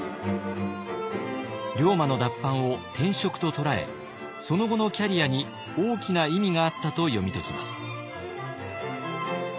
龍馬の脱藩を転職と捉えその後のキャリアに大きな意味があったと読み解きます。